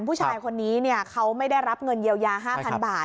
ผู้ชายคนนี้เขาไม่ได้รับเงินเยียวยา๕๐๐บาท